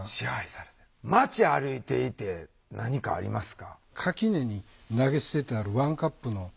街歩いていて何かありますか？